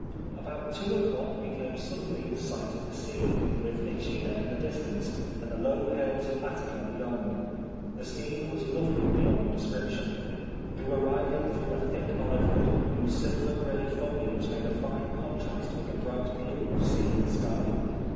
About two o'clock we came sud denly in eight of the sea, with ./Egina in the distance, and the low hills of Attica beyond. The scene was lovely beyond description. We were riding through a thick olive wood, whose silver grey foliage made a fine contrast with the bright blue of sea and sky.